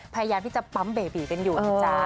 พยายามที่จะปั๊มเบบีกันอยู่นะจ๊ะ